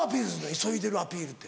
急いでるアピールって。